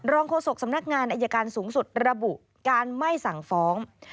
โฆษกสำนักงานอายการสูงสุดระบุการไม่สั่งฟ้อง